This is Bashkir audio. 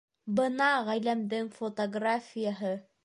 Бына ғаиләмдең фотографияһы